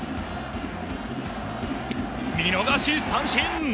見逃し三振。